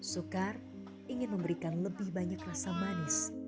soekar ingin memberikan lebih banyak rasa manis